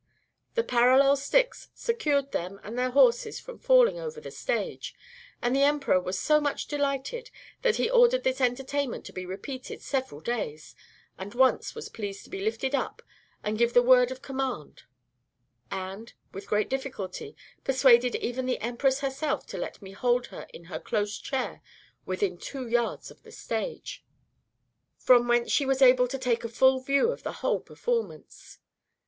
The parallel sticks secured them and their horses from falling over the stage; and the emperor was so much delighted, that he ordered this entertainment to be repeated several days, and once was pleased to be lifted up, and give the word of command; and, with great difficulty, persuaded even the empress herself to let me hold her in her close chair within two yards of the stage, from whence she was able to take a full view of the whole performance.